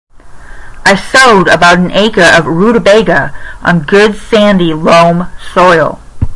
I sowed about an acre of rutabaga on good sandy loam soil.